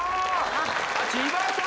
あ千葉さん